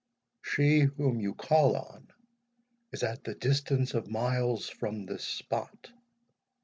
"She whom you call on is at the distance of miles from this spot.